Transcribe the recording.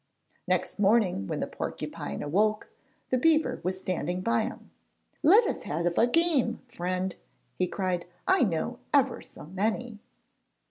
Next morning, when the porcupine awoke, the beaver was standing by him. 'Let us have a game, friend,' he cried; 'I know ever so many!'